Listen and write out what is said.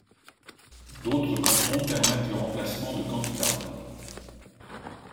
D'autres cantons permettent le remplacement de candidats.